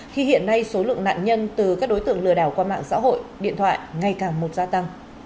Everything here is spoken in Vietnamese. khi hiện nay số lượng nạn nhân từ các đối tượng lừa đảo qua mạng xã hội điện thoại ngày càng một gia tăng